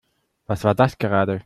Was war das gerade?